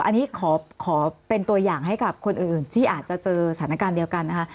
อันนี้ขอเป็นตัวอย่างให้กับคนอื่นที่อาจจะเจอสถานการณ์เดียวกันนะคะ